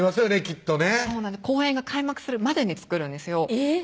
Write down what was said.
きっとね公演が開幕するまでに作るんですよ